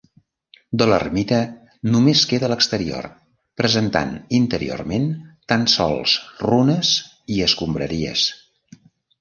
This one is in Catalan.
De l'ermita només queda l'exterior, presentant interiorment tan sols runes i escombraries.